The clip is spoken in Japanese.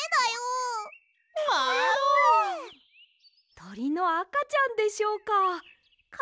とりのあかちゃんでしょうか。